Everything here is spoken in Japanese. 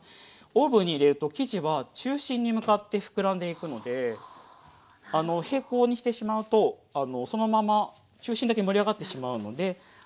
オーブンに入れると生地は中心に向かってふくらんでいくので平行にしてしまうとそのまま中心だけ盛り上がってしまうので寄せていきます。